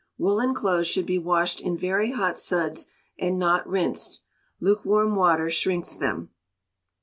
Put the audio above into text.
Woollen clothes should be washed in very hot suds, and not rinsed. Lukewarm water shrinks them.